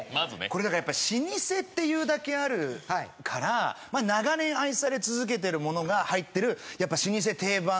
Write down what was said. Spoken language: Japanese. これだから老舗っていうだけあるから長年愛され続けてるものが入ってる。